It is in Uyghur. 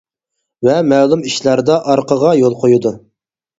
ۋە مەلۇم ئىشلاردا ئارقىغا يول قويىدۇ.